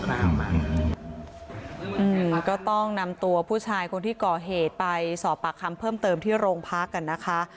ก็ต้องนำตัวผู้ชายคนที่ก่อเหตุไปสอบปากคำเพิ่มเติมที่โรงพักกันนะคะ